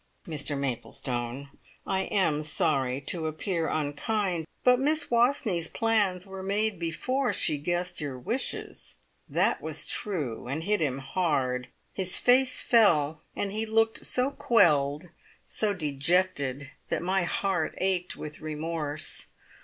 "Mr Maplestone, I am sorry to appear unkind, but Miss Wastneys' plans were made before she guessed your wishes." That was true, and hit him hard. His face fell, and he looked so quelled, so dejected, that my heart ached with remorse.